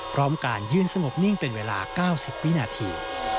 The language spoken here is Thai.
พร้อมการยืนสงบนิ่งเป็นเวลา๙๐วินาที